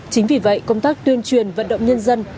chính vì vậy công tác tuyên truyền vận động nhân dân